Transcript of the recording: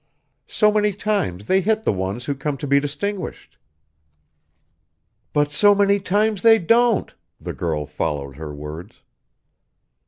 So many times they hit the ones who come to be distinguished." "But so many times they don't," the girl followed her words.